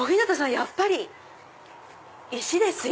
やっぱり石ですよ。